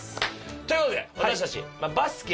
という事で私たちバスケ